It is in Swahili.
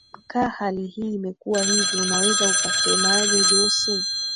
ka hali hii imekuwa hivi unaweza ukasemaje jose